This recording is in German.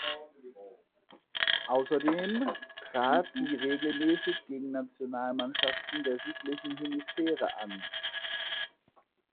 Außerdem trat sie regelmäßig gegen Nationalmannschaften der südlichen Hemisphäre an.